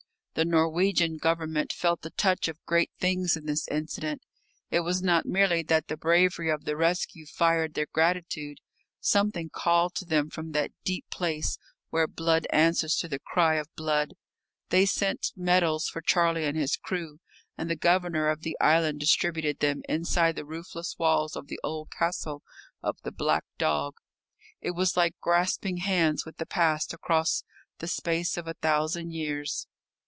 The Norwegian Government felt the touch of great things in this incident. It was not merely that the bravery of the rescue fired their gratitude. Something called to them from that deep place where blood answers to the cry of blood. They sent medals for Charlie and his crew, and the Governor of the island distributed them inside the roofless walls of the old castle of the "Black Dog." It was like grasping hands with the past across the space of a thousand years.